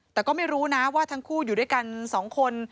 แต่ก็ไม่รู้นะว่าทั้งคู่อยู่ด้วยกัน๒คน